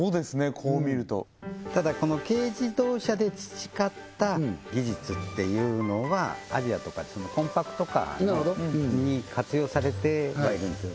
こう見るとただこの軽自動車で培った技術っていうのはアジアとかあっちのコンパクトカーに活用されてはいるんですよ